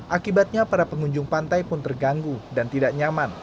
akibatnya para pengunjung pantai pun terganggu dan tidak nyaman